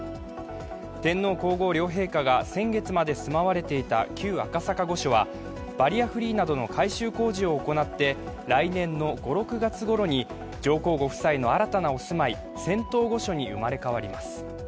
天皇・皇后両陛下が先月まで住まわれていた旧赤坂御所はバリアフリーなどの改修工事を行って来年の５６月ごろに上皇ご夫妻の新たなお住まい、仙洞御所に生まれ変わります。